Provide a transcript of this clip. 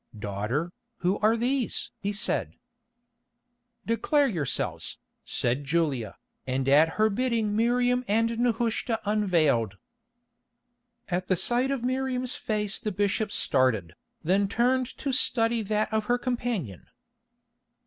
"Daughter, who are these?" he said. "Declare yourselves," said Julia, and at her bidding Miriam and Nehushta unveiled. At the sight of Miriam's face the bishop started, then turned to study that of her companion.